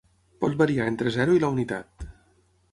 Pot variar entre zero i la unitat.